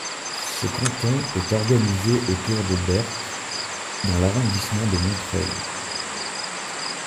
Ce canton est organisé autour de Berck dans l'arrondissement de Montreuil.